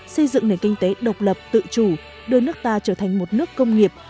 xây dựng nền kinh tế độc lập tự chủ đưa nước ta trở thành một nước công nghiệp